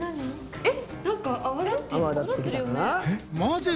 えっ！